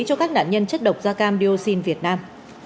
cho các nạn nhân chất độc da cam dioxin việt nam